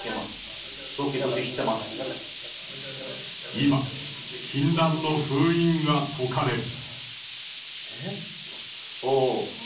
今禁断の封印が解かれる。